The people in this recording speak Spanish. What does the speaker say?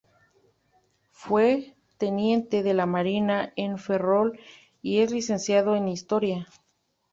Fue teniente de la marina en Ferrol y es Licenciado en Historia.